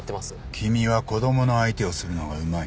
君は子供の相手をするのがうまい。